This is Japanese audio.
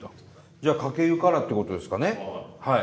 じゃあかけ湯からっていうことですかねはい。